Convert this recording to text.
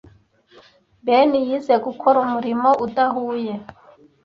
Ben yize gukora umuriro udahuye.